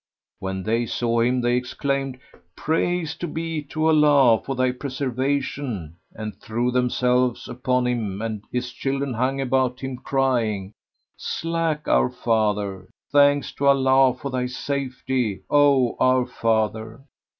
When they saw him they exclaimed, "Praise be to Allah for thy preservation!" and threw themselves upon him and his children hung about him crying, "Alack, our father! Thanks to Allah for thy safety, O our father!"